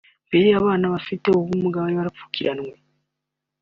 Mbere abana bafite ubumuga bari barapfukiranwe